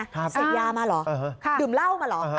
ครับเสร็จยามาเหรอเออฮะค่ะดื่มเหล้ามาเหรอเออฮะ